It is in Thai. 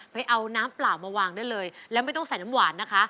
ไปเอาน้ำเปล่ามาวางได้เลยแล้วไม่ต้องใส่น้ำหวานนะคะ